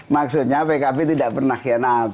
maksudnya pkb tidak pernah hianat